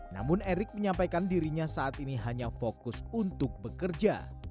namun erick menyampaikan dirinya saat ini hanya fokus untuk bekerja